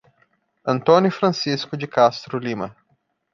Antônio Francisco de Castro Lima